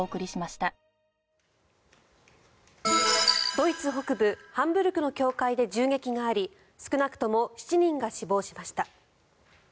ドイツ北部ハンブルクの教会で銃撃があり少なくとも７人が死亡しました。